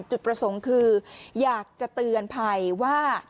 จุดประสงค์คืออยากจะเตือนภัยว่า